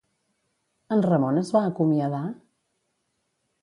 En Ramon es va acomiadar?